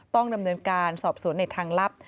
ต้องดำเนินการสอบสวนในทางลับ